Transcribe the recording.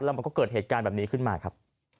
แล้วมันก็เกิดเหตุการณ์แบบนี้ขึ้นมาครับ